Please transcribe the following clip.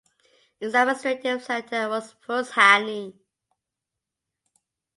Its administrative centre was Pruzhany.